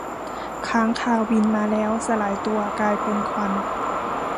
ค้างคาวบินมาแล้วสลายตัวกลายเป็นควัน